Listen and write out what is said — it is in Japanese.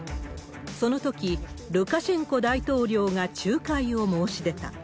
そのとき、ルカシェンコ大統領が仲介を申し出た。